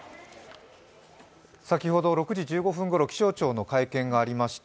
先ほど６時１５分ごろ気象庁の会見がありました。